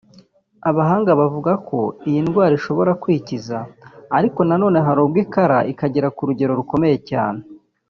Abahanga bavuga ko iyi ndwara ishobora kwikiza ariko na none hari ubwo ikara ikagera ku rugero rukomeye cyane